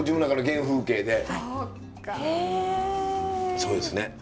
そうですね。